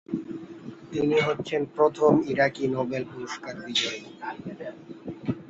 তিনি হচ্ছেন প্রথম ইরাকি নোবেল পুরস্কার বিজয়ী।